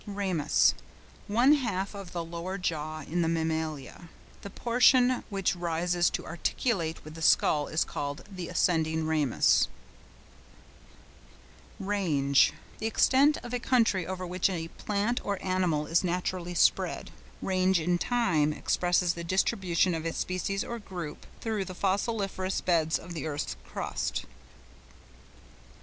RAMUS.—One half of the lower jaw in the Mammalia. The portion which rises to articulate with the skull is called the ascending ramus. RANGE.—The extent of country over which a plant or animal is naturally spread. Range in time expresses the distribution of a species or group through the fossiliferous beds of the earth's crust.